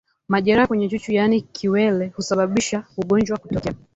Majeraha kwenye chuchu yaani kiwele husababisha ugonjwa kutokea